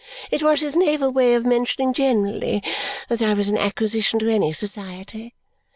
It was his naval way of mentioning generally that I was an acquisition to any society.